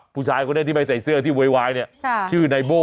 ผู้ชายคนนี้ที่ไม่ใส่เสื้อที่โวยวายเนี่ยชื่อไนโบ้